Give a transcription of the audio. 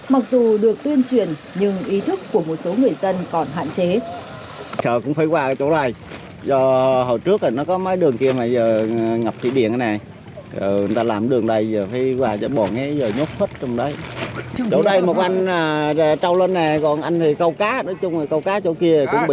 mặc dù được tuyên truyền nhưng ý thức của một số người dân còn hạn chế